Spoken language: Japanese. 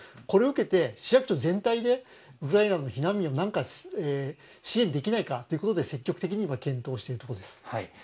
これを受けて、市役所全体でウクライナの避難民を支援できないかということで積極的に検討しているところです。